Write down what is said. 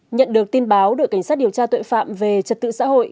nhận được tin báo đội cảnh sát điều tra tội phạm về trật tự xã hội